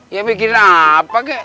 ya mikirin apa kek